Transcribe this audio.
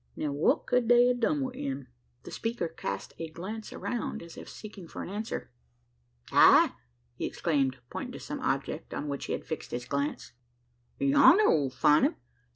Now, what ked they a done wi' him?" The speaker cast a glance around, as if seeking for an answer. "Heigh!" he exclaimed, pointing to some object, on which he had fixed his glance. "Yonder we'll find him!